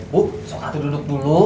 bu sokatu duduk dulu